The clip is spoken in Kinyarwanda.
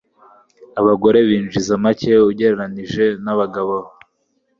Abagore binjiza make ugereranije nabagabo